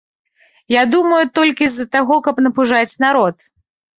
Я думаю, толькі з-за таго, каб напужаць народ.